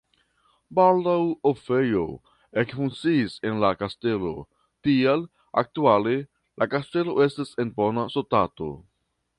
Baldaŭ orfejo ekfunkciis en la kastelo, tial aktuale la kastelo estas en bona stato.